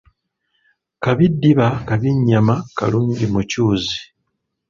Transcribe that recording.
Kabi ddiba kabi nnyama kalungi mucuuzi.